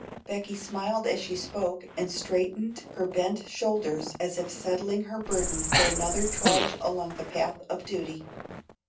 Becky smiled as she spoke, and straightened her bent shoulders as if settling her burden for another trudge along the path of duty.